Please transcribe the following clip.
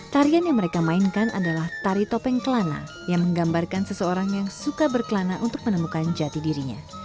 tarian yang mereka mainkan adalah tari topeng kelana yang menggambarkan seseorang yang suka berkelana untuk menemukan jati dirinya